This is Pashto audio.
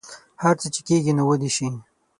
هر څه چې کیږي نو ودې شي